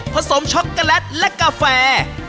สมช็อกโกแลตและกาแฟ